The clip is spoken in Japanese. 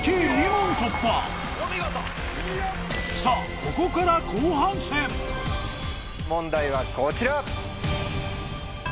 ここから後半戦問題はこちら。